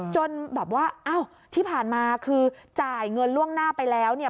จนแบบว่าอ้าวที่ผ่านมาคือจ่ายเงินล่วงหน้าไปแล้วเนี่ย